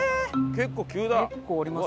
結構急だ。